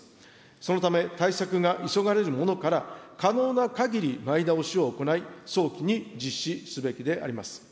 そのため、対策が急がれるものから可能なかぎり前倒しを行い、早期に実施すべきであります。